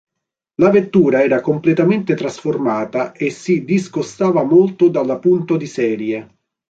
La vettura era completamente trasformata e si discostava molto dalla Punto di serie.